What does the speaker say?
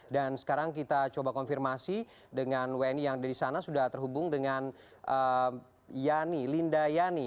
dan sekarang kita coba konfirmasi dengan wni yang dari sana sudah terhubung dengan yani linda yani